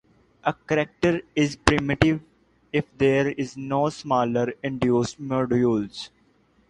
A character is primitive if there is no smaller induced modulus.